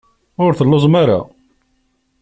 Ur telluẓem ara?